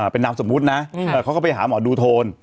เป็นนามสมมุตินะเขาก็ไปหาหมอดูโทน